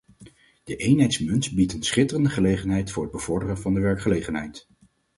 De eenheidsmunt biedt een schitterende gelegenheid voor het bevorderen van de werkgelegenheid.